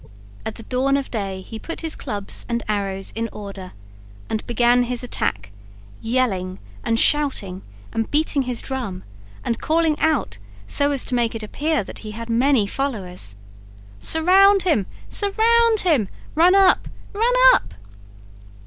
At the dawn of day he put his clubs and arrows in order and began his attack, yelling and shouting and beating his drum, and calling out so as to make it appear that he had many followers: "Surround him! surround him! run up! run up!"